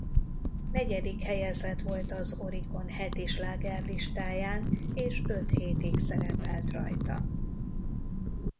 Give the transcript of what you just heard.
Negyedik helyezett volt az Oricon heti slágerlistáján és öt hétig szerepelt rajta.